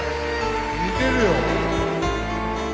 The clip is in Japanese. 似てるよ。